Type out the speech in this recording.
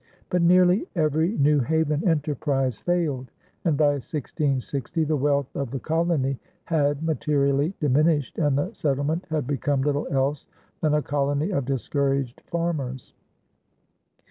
But nearly every New Haven enterprise failed, and by 1660 the wealth of the colony had materially diminished and the settlement had become "little else than a colony of discouraged farmers."